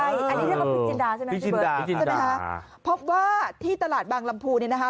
อันนี้เรียกว่าพริกจินดาใช่ไหมพี่เบิร์ตใช่ไหมคะพบว่าที่ตลาดบางลำพูเนี่ยนะคะ